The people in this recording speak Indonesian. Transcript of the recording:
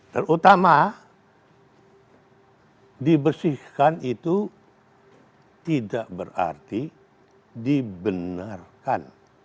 terutama dibersihkan itu tidak berarti dibenarkan